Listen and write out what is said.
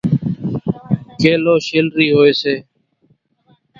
ڪيلو شيلرِي هوئيَ سي۔